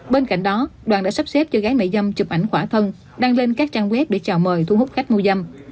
bên cạnh đó đoàn đã sắp xếp cho gái mạy giam chụp ảnh khỏa thân đăng lên các trang web để chào mời thu hút khách mua giam